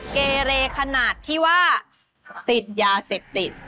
เกเรขนาดที่ว่าติดยาเสพติด